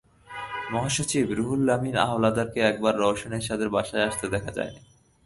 মহাসচিব রুহুল আমিন হাওলাদারকে একবারও রওশন এরশাদের বাসায় আসতে দেখা যায়নি।